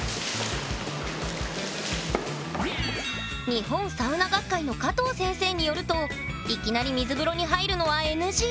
日本サウナ学会の加藤先生によるといきなり水風呂に入るのはＮＧ！